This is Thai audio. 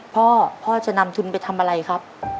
พ่อพ่อจะนำทุนไปทำอะไรครับ